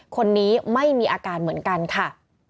คนนี้ไม่มีอาการเหมือนกันค่ะ